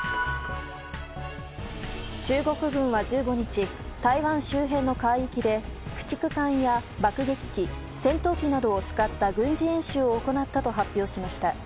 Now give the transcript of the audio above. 中国軍は１５日台湾周辺の海域で駆逐艦や爆撃機戦闘機などを使った軍事演習を行ったと発表しました。